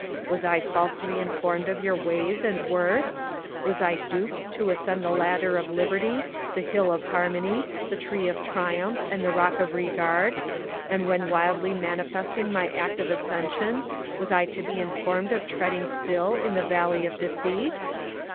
Was I falsely informed of your ways and worth? Was I duped to ascend the ladder of liberty, the hill of harmony, the tree of triumph, and the rock of regard, and when wildly manifesting my act of ascension, was I to be informed of treading still in the valley of defeat?